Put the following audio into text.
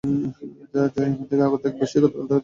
যা ইয়ামেন থেকে আগত এক ব্যবসায়ী গতকাল তাঁকে উপঢৌকন দিয়েছে।